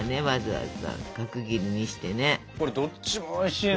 これどっちもおいしいね。